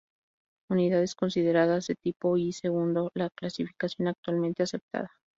Unidades consideradas de Tipo I según la clasificación actualmente aceptada.